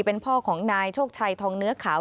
เป็นพ่อของนายโชคชัยทองเนื้อขาว